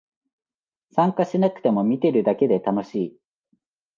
参加しなくても見てるだけで楽しい